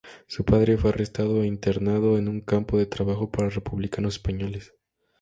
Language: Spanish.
Su padre fue arrestado e internado en un campo de trabajo para republicanos españoles.